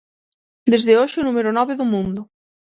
Desde hoxe o número nove do mundo.